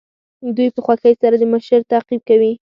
دوی په خوښۍ سره د مشر تعقیب کوي.